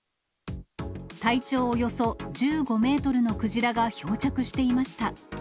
体長およそ１５メートルのクジラが漂着していました。